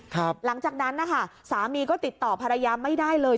หลังจากนั้นนะคะสามีก็ติดต่อภรรยาไม่ได้เลย